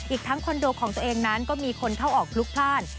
อีกทั้งคอนโดของตัวเองนั้นก็มีคนเข้าออกพลุกพลาด